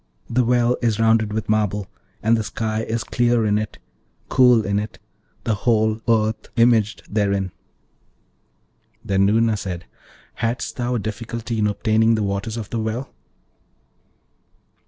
The well is rounded with marble, and the sky is clear in it, cool in it, the whole earth imaged therein.' Then Noorna said, 'Hadst thou a difficulty in obtaining the waters of the well?'